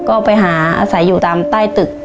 ก็ไปหาอาศัยอยู่ตามใต้ตึก